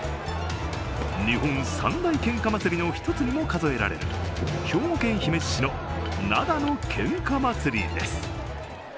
日本三大けんか祭りの一つにも数えられる兵庫県姫路市の灘のけんか祭りです。